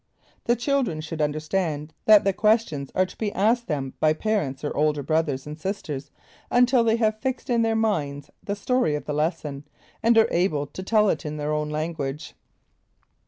The children should understand that the questions are to be asked them by parents or older brothers and sisters until they have fixed in their minds the story of the lesson, and are able to tell it in their own language.